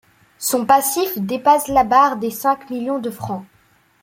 Son passif dépasse la barre des cinq millions de francs.